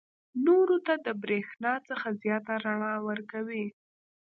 نورو ته د برېښنا څخه زیاته رڼا ورکوي.